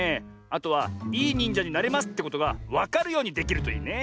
あとは「いいにんじゃになれます！」ってことがわかるようにできるといいね。